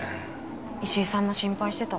石井さんも心配してた。